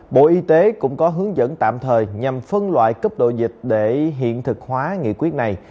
bộ y tế cũng có hướng dẫn tạm thời nhằm phân loại cấp độ dịch để hiện thực hóa nghị quyết này